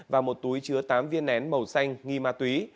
và một túi chứa tám viên nén màu xanh nghi ma túy